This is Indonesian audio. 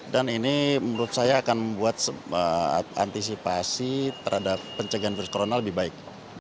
dan ini menurut saya akan membuat antisipasi terhadap pencegahan virus corona lebih baik